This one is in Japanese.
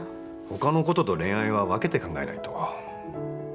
他のことと恋愛は分けて考えないと。